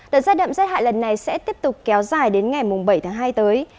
đợt rét đậm rét hại lần này sẽ tiếp tục kéo dài đến ngày bảy tháng hai tới